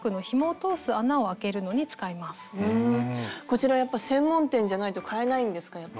こちらやっぱ専門店じゃないと買えないんですか？